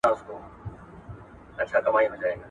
هغوی به کار کوي.